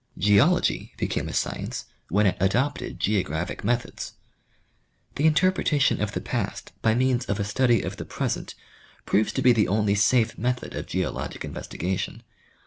Geology became a science when it adopted geographic methods. The interpretation of the past by means of a study of the present proves to be the only safe method of geologic investigation.